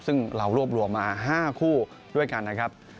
ซึ่งเรารวบรวมมา๕คู่ด้วยกันนะครับ